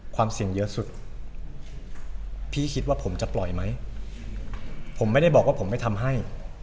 เสี่ยงเยอะสุดพี่คิดว่าผมจะปล่อยไหมผมไม่ได้บอกว่าผมไม่ทำให้